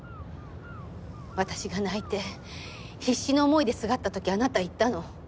私が泣いて必死の思いですがった時あなた言ったの。